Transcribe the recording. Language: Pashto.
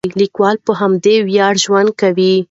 لیکوال په همدې ویاړ ژوند کوي.